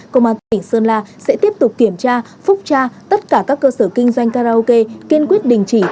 công an tỉnh sơn la sẽ tiếp tục kiểm tra phúc tra tất cả các cơ sở kinh doanh karaoke kiên quyết đình chỉ